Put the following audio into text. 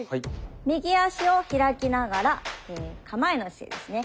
右足を開きながら構えの姿勢ですね。